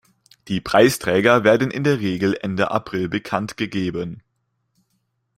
Die Preisträger werden in der Regel Ende April bekanntgegeben.